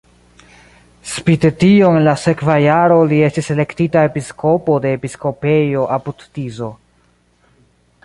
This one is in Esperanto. Spite tion en la sekva jaro li estis elektita episkopo de episkopejo apud-Tiso.